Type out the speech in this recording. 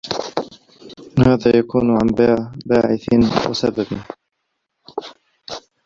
وَهَذَا يَكُونُ عَنْ بَاعِثٍ وَسَبَبٍ